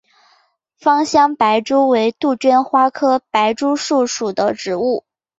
芳香白珠为杜鹃花科白珠树属的植物。